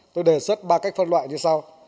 tôi đề xuất ba cách phân loại như sau